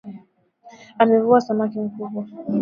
Amevua samaki mkubwa.